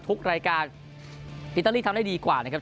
ทุกรายการอิตาลีทำได้ดีกว่านะครับ